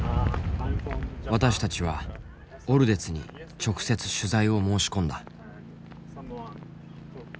私たちはオルデツに直接取材を申し込んだ。